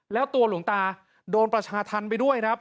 แล้วตัวหลวงตาโดนประชาธรรมไปด้วยครับ